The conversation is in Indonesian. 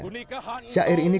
syair ini kembali menjadi